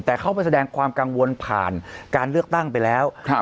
แต่เขาไปแสดงความกังวลผ่านการเลือกตั้งไปแล้ว